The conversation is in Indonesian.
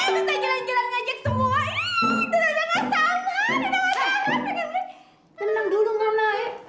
bisa jalan jalan ngajak semua iiih dora jangan sama tenang aja tenang dulu mama eh